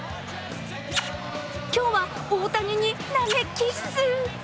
今日は大谷に投げキッス。